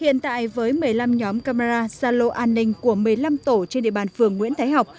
hiện tại với một mươi năm nhóm camera xa lô an ninh của một mươi năm tổ trên địa bàn phường nguyễn thái học